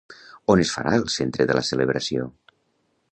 On es farà el centre de la celebració?